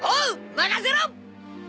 任せろ。